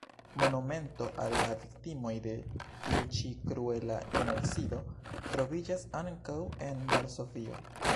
Monumento al la viktimoj de tiu ĉi kruela genocido troviĝas ankaŭ en Varsovio.